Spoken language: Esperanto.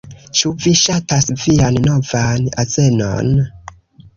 Ĉu vi ŝatas vian novan azenon?